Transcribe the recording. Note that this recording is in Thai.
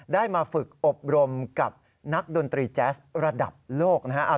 ได้มาฝึกอบรมกับนักดนตรีแจ๊สระดับโลกนะฮะ